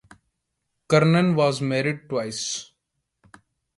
Cernan was married twice.